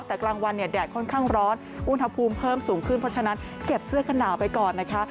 แต่กลางวันเนี่ยแดดค่อนข้างร้อนอุณหภูมิเพิ่มสูงขึ้นเพราะฉะนั้นเก็บเสื้อกันหนาวไปก่อนนะคะ